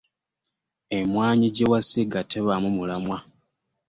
Emwanyi jewesiga tebaamu mulamwa .